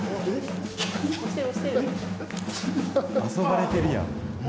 遊ばれてるやん。